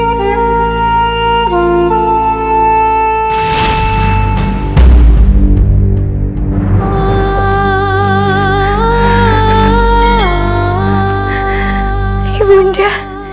ibunda bangun ibunda